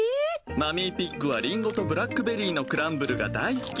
マミーピッグはリンゴとブラックベリーのクランブルが大好き。